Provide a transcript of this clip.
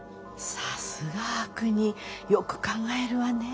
さすが悪人よく考えるわね。